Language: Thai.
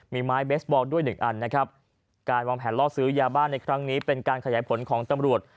มีไม้เบสบอลด้วยหนึ่งอันนะครับการวางแผนล่อซื้อยาบ้านในครั้งนี้เป็นการขยายผลของตำรวจ